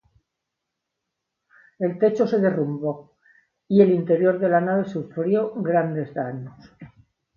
El techo se derrumbó y el interior de la nave sufrió grandes daños.